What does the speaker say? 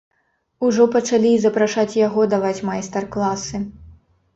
Ужо пачалі і запрашаць яго даваць майстар-класы.